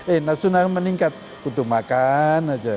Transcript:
eh napsu makan meningkat butuh makan aja